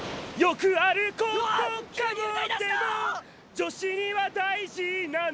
「女子には大事なの」